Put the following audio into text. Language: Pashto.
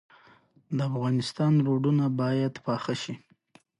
چې په پاخه او اساسي ډول جوړه شوې،